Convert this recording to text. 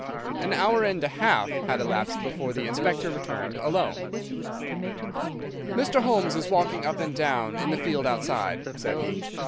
An hour and half had elapsed before the Inspector returned alone. "Mr. Holmes is walking up and down in the field outside," said he.